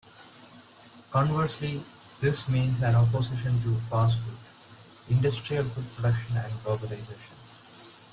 Conversely this means an opposition to fast food, industrial food production and globalisation.